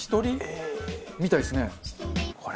みたいですね。